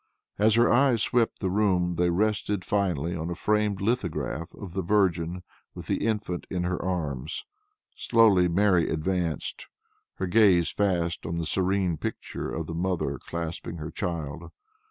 As her eyes swept the room they rested finally on a framed lithograph of the Virgin, with the Infant in her arms. Slowly Mary advanced, her gaze fast on the serene pictured face of the mother clasping her child.